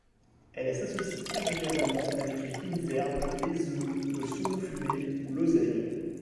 Elle s'associe agréablement avec les fines herbes, les œufs, le saumon fumé ou l'oseille.